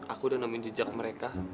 aku udah namin jejak mereka